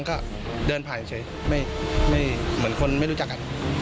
ก็เดินผ่านเฉยไม่เหมือนคนไม่รู้จักกัน